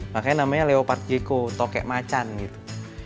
makanya namanya leopard gecko tokek macan gitu